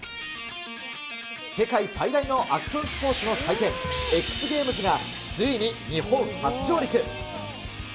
世界最大のアクションスポーツの祭典、ＸＧａｍｅｓがついに日本初上陸。